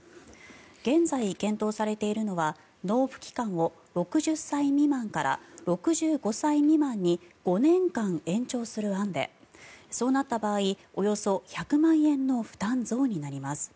現在、検討されているのは納付期間を６０歳未満から６５歳未満に５年間延長する案でそうなった場合およそ１００万円の負担増になります。